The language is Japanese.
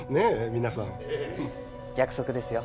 皆さんええ約束ですよ